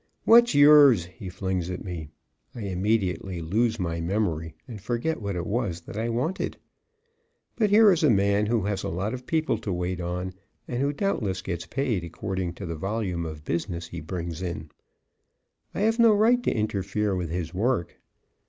"What's yours?" he flings at me. I immediately lose my memory and forget what it was that I wanted. But here is a man who has a lot of people to wait on and who doubtless gets paid according to the volume of business he brings in. I have no right to interfere with his work.